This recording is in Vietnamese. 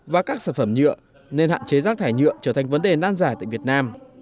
và các sản phẩm nhựa nên hạn chế rác thải nhựa trở thành vấn đề nan giải tại việt nam